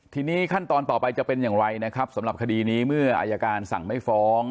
ทีนี้ขั้นตอนต่อไปจะเป็นอย่างไรนะครับสำหรับคดีนี้เมื่ออายการสั่งไม่ฟ้อง